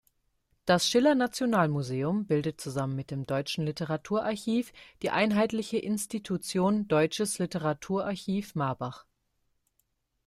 Das Schiller-Nationalmuseum bildet zusammen mit dem Deutschen Literaturarchiv die einheitliche Institution Deutsches Literaturarchiv Marbach.